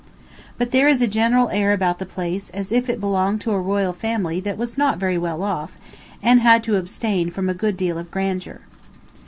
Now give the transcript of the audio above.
But there is a general air about the place as if it belonged to a royal family that was not very well off, and had to abstain from a good deal of grandeur.